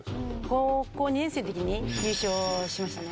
高校２年生のときに優勝しましたね。